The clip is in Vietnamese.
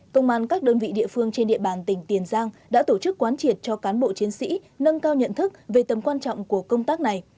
công an các đơn vị địa phương trên địa bàn tỉnh tiền giang đã tổ chức quán triệt cho cán bộ chiến sĩ nâng cao nhận thức về tầm quan trọng của công tác này